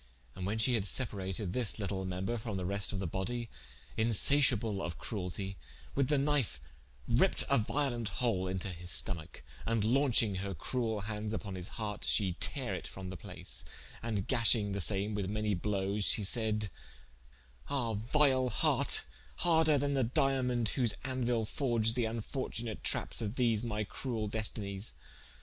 And when shee had separated this litle member from the reste of the body (insaciable of crueltie) with the knife ripped a violent hole into his stomacke, and launching her cruel handes vpon his harte she tare it from the place, and gashing the same with many blowes, she said: "Ah, vile hart, harder then the Diamont whose andeuile forged the infortunate trappes of these my cruel destenies!